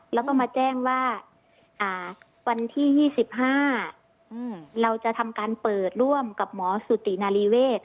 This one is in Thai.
แล้วก็มาแจ้งว่าวันที่๒๕เราจะทำการเปิดร่วมกับหมอสุตินารีเวศ